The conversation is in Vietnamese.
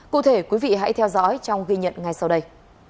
cụ thể quý vị hãy theo dõi trong ghi nhận ngay sau đây